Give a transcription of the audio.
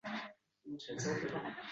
Sen kirgan xonalar